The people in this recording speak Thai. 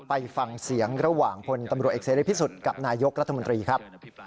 ไปฟังเสียงระหว่างพลตำรวจเอกเสรีพิสุทธิ์กับนายกรัฐมนตรีครับ